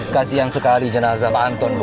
kasian sekali jenazah pak anton